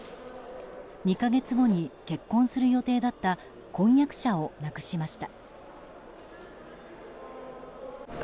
２か月後に結婚する予定だった婚約者を亡くしました。